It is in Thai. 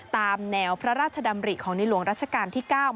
ตามแนวพระราชดำริของในหลวงรัชกาลที่๙